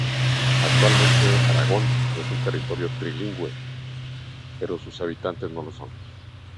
Actualmente Aragón es un territorio trilingüe, pero sus habitantes no lo son.